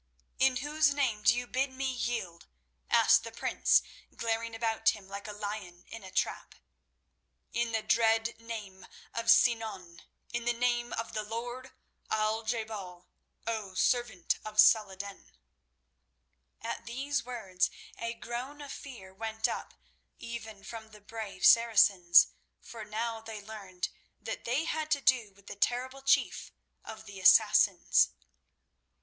"In whose name do you bid me yield?" asked the prince, glaring about him like a lion in a trap. "In the dread name of Sinan, in the name of the lord Al je bal, O servant of Salah ed din." At these words a groan of fear went up even from the brave Saracens, for now they learned that they had to do with the terrible chief of the Assassins.